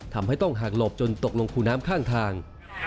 ทำให้ต้องห่างหลบจนตกลงคูน้ำข้างทาง